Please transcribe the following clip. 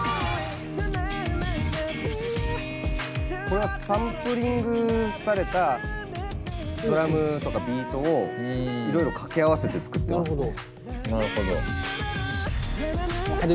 これはサンプリングされたドラムとかビートをいろいろ掛け合わせて作ってますね。